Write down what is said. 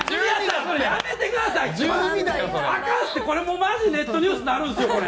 これもうマジネットニュースになるんですよ